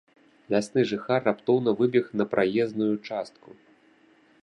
Лясны жыхар раптоўна выбег на праезную частку.